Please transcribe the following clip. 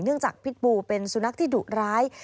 จากพิษบูเป็นสุนัขที่ดุร้าย